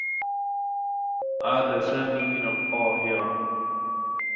عاد سامي من القاهرة.